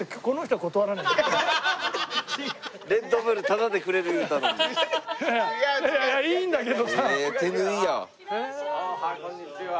はいこんにちは。